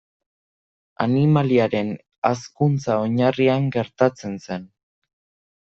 Animaliaren hazkuntza oinarrian gertatzen zen.